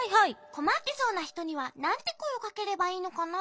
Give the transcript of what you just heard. こまってそうなひとにはなんてこえをかければいいのかな？